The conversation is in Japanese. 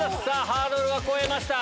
ハードルは越えました。